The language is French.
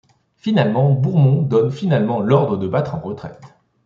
Finalement, Bourmont donne finalement l'ordre de battre en retraite.